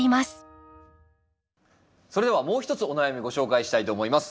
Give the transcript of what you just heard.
それではもう一つお悩みご紹介したいと思います。